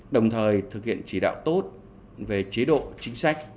đồng thời thực hiện chỉ đạo tốt về chế độ chính sách